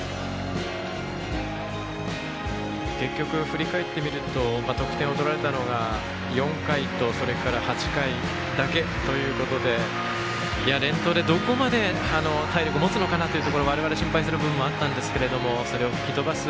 結局、振り返ってみると得点を取られたのが４回と、それから８回だけということで連投で、どこまで体力もつのかなというところを我々心配する部分があったんですがそれを吹き飛ばす